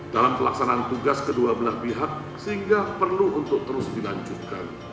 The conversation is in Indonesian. dalam pelaksanaan tugas kedua belah pihak sehingga perlu untuk terus dilanjutkan